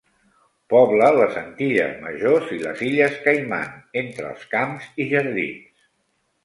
Pobla les Antilles majors i les illes Caiman entre els camps i jardins.